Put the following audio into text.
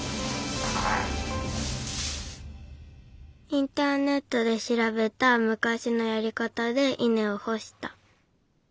インターネットでしらべたむかしのやりかたで稲をほした。